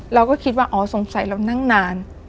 เราก็คิดว่าอ๋อสงสัยเรานั่งนาน